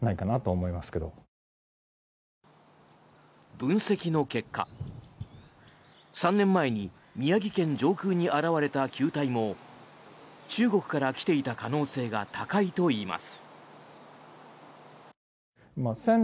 分析の結果、３年前に宮城県上空に現れた球体も中国から来ていた可能性が高いといいます。